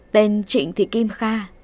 tên trịnh thị kim kha